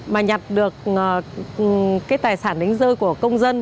mà nhặt được cái tài sản đánh rơi của công dân